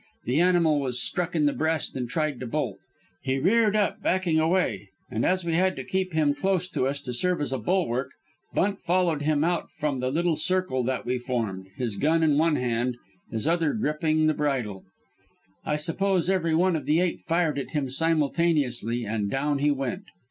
The animal was struck in the breast and tried to bolt. He reared up, backing away, and as we had to keep him close to us to serve as a bulwark Bunt followed him out from the little circle that we formed, his gun in one hand, his other gripping the bridle. I suppose every one of the eight fired at him simultaneously, and down he went.